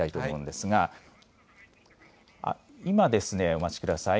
お待ちください。